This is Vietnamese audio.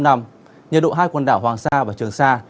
nhiệt độ hai quần đảo hoàng sa và trường sa